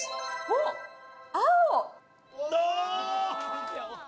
おっ青！